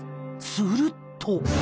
すると。